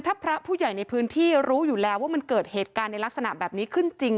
ถ้าพระผู้ใหญ่ในพื้นที่รู้อยู่แล้วว่ามันเกิดเหตุการณ์ในลักษณะแบบนี้ขึ้นจริง